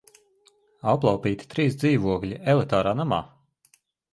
Aplaupīti trīs dzīvokļi elitārā namā!